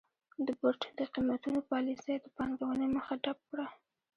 د بورډ د قېمتونو پالیسۍ د پانګونې مخه ډپ کړه.